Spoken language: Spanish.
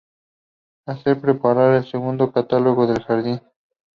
Hace preparar el segundo catálogo del jardín.